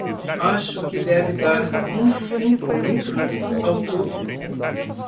Acho que deve dar uns cinco litros ao todo